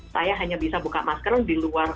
saya hanya bisa buka masker di luar